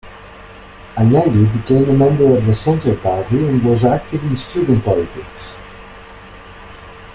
Anneli became a member of the Centre Party and was active in student politics.